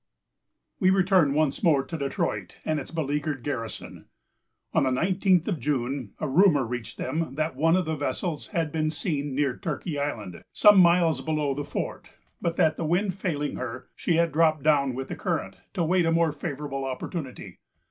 We return once more to Detroit and its beleaguered garrison. On the nineteenth of June, a rumor reached them that one of the vessels had been seen near Turkey Island, some miles below the fort, but that, the wind failing her, she had dropped down with the current, to wait a more favorable opportunity.